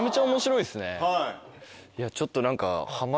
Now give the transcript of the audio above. いやちょっと何か。